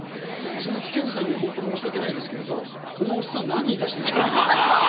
鈴木健二さんには本当申し訳ないですけれどこのおっさん何言いだしてるんだと思いました。